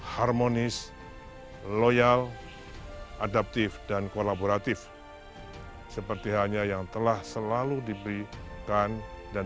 harmonis loyal adaptif dan kolaboratif seperti halnya yang telah selalu diberikan dan